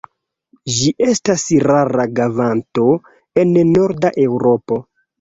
Ĝi estas rara vaganto en norda Eŭropo.